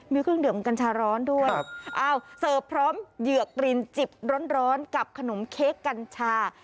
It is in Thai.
มีเครื่องดื่มกัญชาร้อนด้วยอ้าวเสิร์ฟพร้อมเหยือกรินจิบร้อนกับขนมเค้กกัญชา